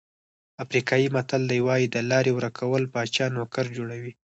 افریقایي متل وایي د لارې ورکول پاچا نوکر جوړوي.